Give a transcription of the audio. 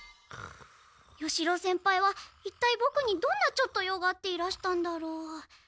与四郎先輩はいったいボクにどんな「ちょっと用」があっていらしたんだろう？